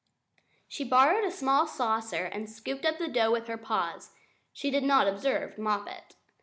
She borrowed a small saucer and scooped up the dough with her paws. She did not observe Moppet.